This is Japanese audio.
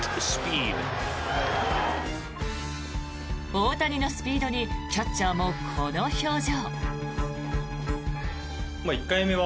大谷のスピードにキャッチャーもこの表情。